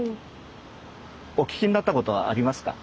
お聞きになったことはありますか？